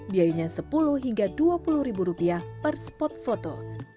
biayanya sepuluh hingga dua puluh ribu rupiah per spot foto